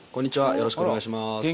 よろしくお願いします。